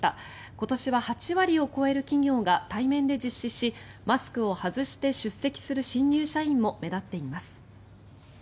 今年は８割を超える企業が対面で実施しマスクを外して出席する新入社員も目立っています。